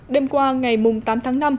đêm qua ngày tám tháng năm